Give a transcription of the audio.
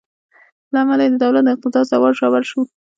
له امله یې د دولت د اقتدار زوال ژور شو.